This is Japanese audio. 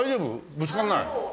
ぶつからない？